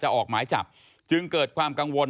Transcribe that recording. ออกหมายจับจึงเกิดความกังวล